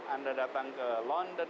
anda datang ke london